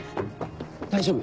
大丈夫？